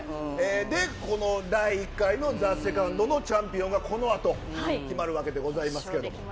この第１回のＴＨＥＳＥＣＯＮＤのチャンピオンがこの後決まるわけでございます。